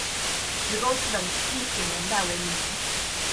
石沟寺的历史年代为明。